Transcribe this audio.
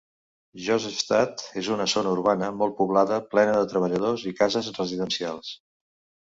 Josefstadt és una zona urbana molt poblada plena de treballadors i cases residencials.